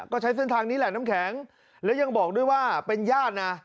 ก็ใช้เส้นทางนี้แหละน้ำแข็งแล้วยังบอกด้วยว่าเป็นญาตินะ